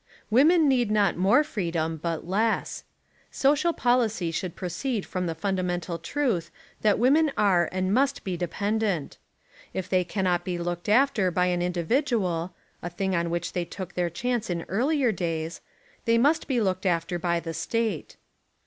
Women need not more freedom but less. Social policy should proceed from the funda mental truth that women are and must be de pendent. If they cannot be looked after by an individual (a thing on which they took their chance in earlier days) they must be looked after by the State.